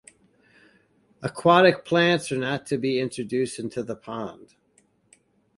Aquatic plants are not to be introduced into the pond.